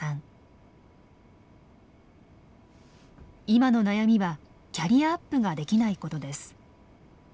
今の悩みはキャリアアップができないことです。